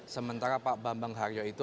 sementara pak bambang haryo itu